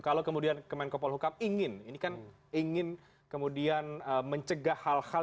kalau kemudian kemenkopol hukam ingin ini kan ingin kemudian mencegah hal hal